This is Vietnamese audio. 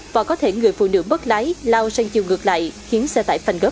và có thể người phụ nữ bất lái lao sang chiều ngược lại khiến xe tải phanh gấp